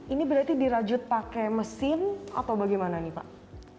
ini berarti dirajut pakai mesin atau bagaimana nih pak